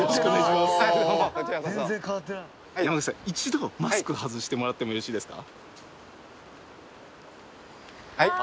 一度マスク外してもらってもよろしいですか？